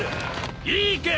いいか！？